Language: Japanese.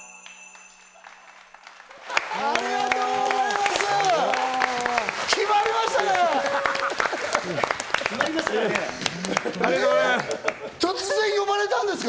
ありがとうございます！